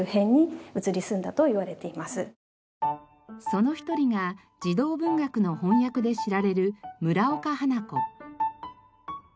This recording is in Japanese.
その一人が児童文学の翻訳で知られる村岡花子。